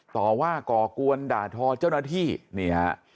ต่อว่าก่อกวนด่าทอเจ้าหน้าที่นี่ฮะ